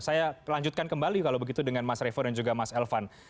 saya lanjutkan kembali kalau begitu dengan mas revo dan juga mas elvan